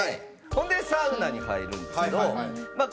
ほんでサウナに入るんですけどまあ